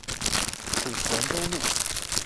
属袁州路。